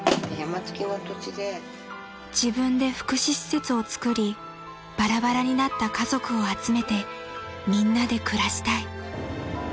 ［自分で福祉施設を造りバラバラになった家族を集めてみんなで暮らしたい］